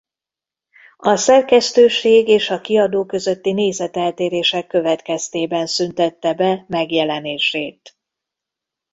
A szerkesztőség és a kiadó közötti nézeteltérések következtében szüntette be megjelenését.